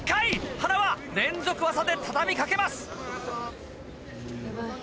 塙連続技で畳みかけます。